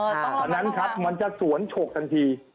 ตอนนั้นครับมันจะสวนฉกทันที